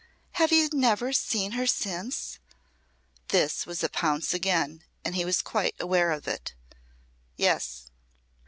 "Have you never seen her since?" This was a pounce again and he was quite aware of it. "Yes."